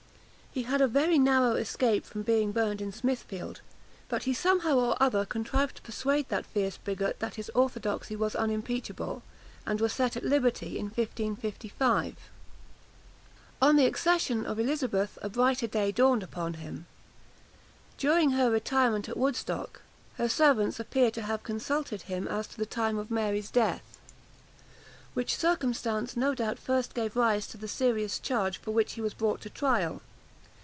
He had a very narrow escape from being burned in Smithfield, but he somehow or other contrived to persuade that fierce bigot that his orthodoxy was unimpeachable, and was set at liberty in 1555. On the accession of Elizabeth, a brighter day dawned upon him. During her retirement at Woodstock, her servants appear to have consulted him as to the time of Mary's death, which circumstance no doubt first gave rise to the serious charge for which he was brought to trial.